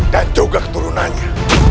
dan juga keturunannya